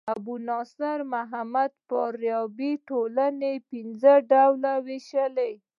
ابو نصر محمد فارابي ټولنه پر پنځه ډوله ويشي.